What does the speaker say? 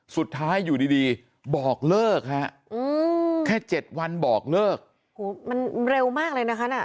สุดท้ายอยู่ดีบอกเลิกแค่๗วันบอกเลิกมันเร็วมากเลยนะคะ